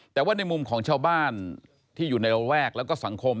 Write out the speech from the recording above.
แต่ว่าในมุมของชาวบ้านที่อยู่ในระแวกแล้วก็สังคม